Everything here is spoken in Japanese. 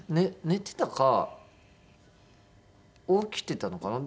寝てたか起きてたのかな。